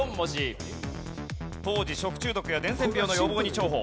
当時食中毒や伝染病の予防に重宝。